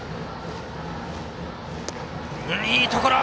いいところ！